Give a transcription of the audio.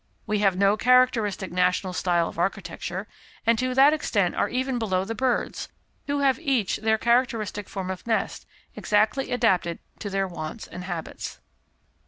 We have no characteristic national style of architecture, and to that extent are even below the birds, who have each their characteristic form of nest, exactly adapted to their wants and habits.